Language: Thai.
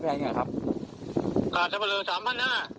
และ่จะหาสะเป็นเรือ